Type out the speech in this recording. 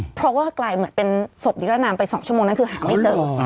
เพราะว่ากลายเหมือนเป็นศพนิรนามไป๒ชั่วโมงนั้นคือหาไม่เจอ